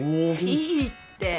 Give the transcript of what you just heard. いいって。